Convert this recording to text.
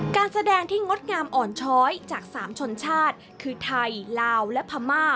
การแสดงที่งดงามอ่อนช้อยจาก๓ชนชาติคือไทยลาวและพม่า